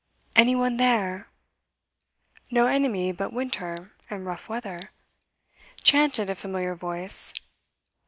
'Any one there?' 'No enemy but winter and rough weather,' chanted a familiar voice.